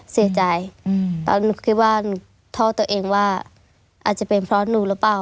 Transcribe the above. เสียใจตอนหนูคิดว่าหนูท่อตัวเองว่าอาจจะเป็นเพราะหนูหรือเปล่า